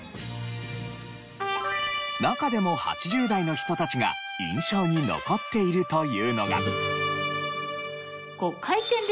中でも８０代の人たちが印象に残っているというのが。